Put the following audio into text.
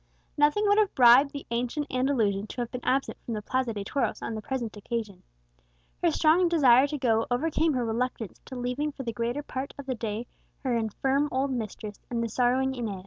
Nothing would have bribed the ancient Andalusian to have been absent from the Plaza de Toros on the present occasion; her strong desire to go overcame her reluctance to leaving for the greater part of the day her infirm old mistress and the sorrowing Inez.